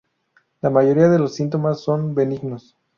La mayoría de los síntomas son benignos.